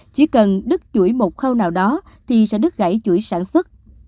chỉ cần đứt chuỗi một khâu nào đó thì sẽ đứt gãy chuỗi sản xuất